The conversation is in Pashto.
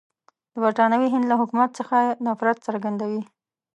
د برټانوي هند له حکومت څخه یې نفرت څرګندوه.